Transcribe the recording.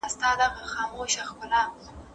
چا به ښځي له بیا واده کولو څخه منع کولې؟